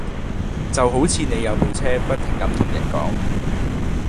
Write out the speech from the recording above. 就好似你有部車，不停咁同人講